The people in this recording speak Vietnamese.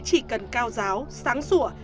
chỉ cần cao giáo sáng sủa